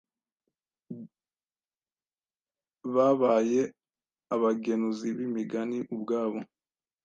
babaye abagenuzi b’imigani ubwabo